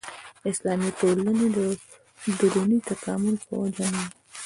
د اسلامي ټولنو د دروني تکامل په وجه نه وه.